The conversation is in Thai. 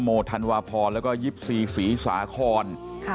นโมธันวาพรแล้วก็ยิปศรีศรีสาคอน